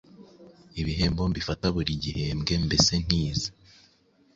Ibihembo mbifata buri gihembwe mbese ntinze